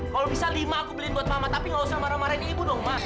kalau bisa lima aku beliin buat mama tapi nggak usah marah marahin ibu dong mas